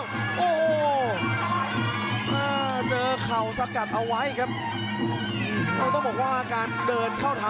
อันวัดเบียดเข้ามาอันวัดโดนชวนแรกแล้ววางแค่ขวาแล้วเสียบด้วยเขาซ้าย